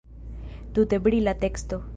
Tute brila teksto.